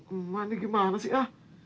emak ini gimana sih ah